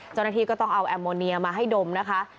เจ้าหน้าที่ก็ต้องเอาแอมโมเนียมาให้ดมนะคะ